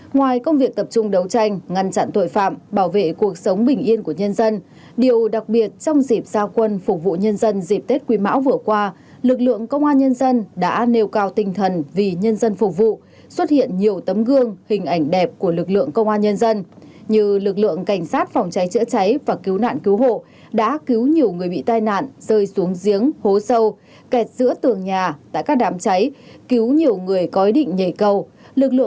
ngoài công việc tập trung đấu tranh ngăn chặn tội phạm bảo vệ cuộc sống bình yên của nhân dân điều đặc biệt trong dịp gia quân phục vụ nhân dân dịp tết quy mão vừa qua lực lượng công an nhân dân đã nêu cao tinh thần vì nhân dân phục vụ xuất hiện nhiều tấm gương hình ảnh đẹp của lực lượng công an nhân dân như lực lượng cảnh sát phòng cháy chữa cháy và cứu nạn cứu hộ đã cứu nhiều người bị tai nạn rơi xuống giếng hố sâu kẹt giữa tường nhà tại các đám cháy cứu nhiều người có ý định nhảy cầu